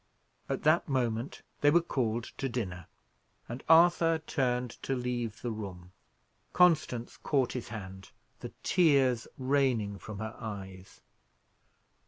At that moment they were called to dinner, and Arthur turned to leave the room. Constance caught his hand, the tears raining from her eyes.